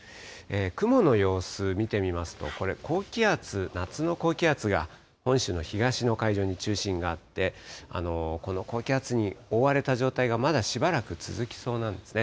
雲の様子、見てみますと、これ、高気圧、夏の高気圧が本州の東の海上に中心があって、この高気圧に覆われた状態がまだしばらく続きそうなんですね。